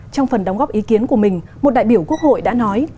trong phần đóng góp ý kiến của mình một đại biểu quốc hội đã nói